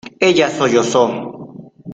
ella sollozó: